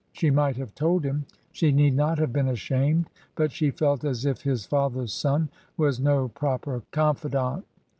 She might have told him — she need not have been ashamed — ^but she felt as if his father's son was no proper confidant.